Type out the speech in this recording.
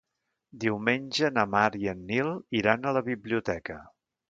Diumenge na Mar i en Nil iran a la biblioteca.